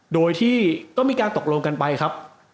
โดยที่ก็มีการตกลงกันไปครับ